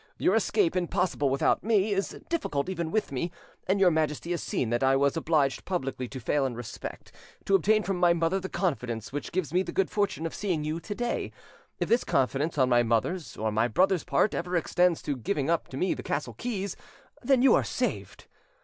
Your escape, impossible without me, is difficult even with me; and your Majesty has seen that I was obliged publicly to fail in respect, to obtain from my mother the confidence which gives me the good fortune of seeing you to day: if this confidence on my mother's or my brother's part ever extends to giving up to me the castle keys, then you are saved!